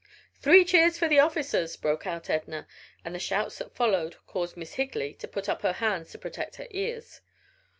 "Three cheers for the officers!" broke out Edna, and the shouts that followed caused Miss Higley to put up her hands to protect her ears.